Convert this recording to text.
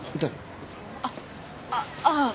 あっあぁ。